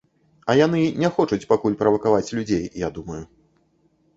А яны не хочуць пакуль правакаваць людзей, я думаю.